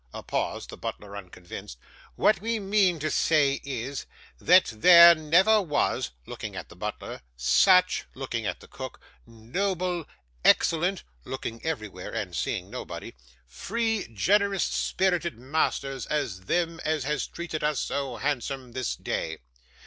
(A pause the butler unconvinced.) What we mean to say is, that there never was (looking at the butler) such (looking at the cook) noble excellent (looking everywhere and seeing nobody) free, generous spirited masters as them as has treated us so handsome this day.